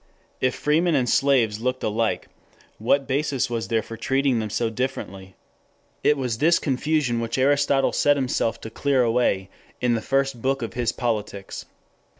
If free men and slaves looked alike, what basis was there for treating them so differently? It was this confusion which Aristotle set himself to clear away in the first book of his Politics.